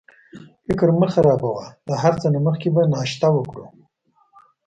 فکر مه خرابوه، له هر څه نه مخکې به ناشته وکړو.